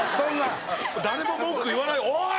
誰も文句言わないおい！